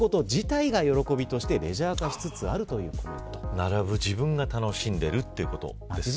並ぶ自分が楽しんでいるということですね。